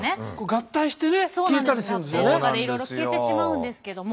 合併とかでいろいろ消えてしまうんですけども。